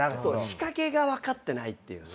仕掛けが分かってないっていうね。